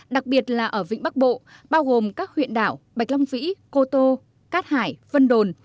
đặc biệt là ở vịnh bắc bộ bao gồm các huyện đảo bạch long vĩ cô tô cát hải vân đồn